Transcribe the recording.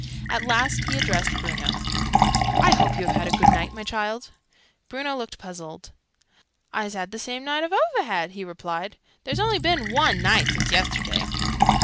At last he addressed Bruno. "I hope you have had a good night, my child?" Bruno looked puzzled. "I's had the same night oo've had," he replied. "There's only been one night since yesterday!"